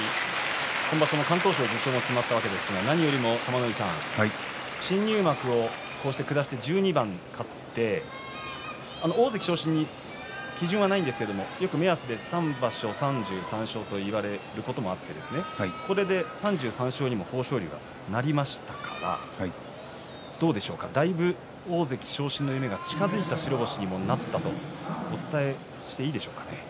今場所の敢闘賞受賞が決まったわけですが何よりも玉ノ井さん新入幕をこうして下して１２番勝って大関昇進に基準はないんですけれどもよく目安で３場所３３勝といわれることもあってこれで３３勝にも豊昇龍はなりましたからどうでしょうかだいぶ大関昇進の夢が近づいた白星にもなったとお伝えしていいんでしょうかね。